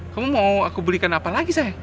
kamu mau aku belikan apa lagi saya